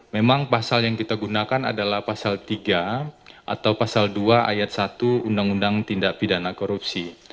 memang pasal yang kita gunakan adalah pasal tiga atau pasal dua ayat satu undang undang tindak pidana korupsi